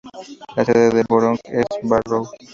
La sede del borough es Barrow.